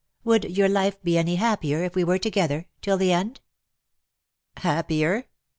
" Would your life be any happier if we were together — till the end?^' " Happier